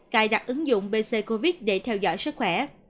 cài đặt ứng dụng bc covid để theo dõi sức khỏe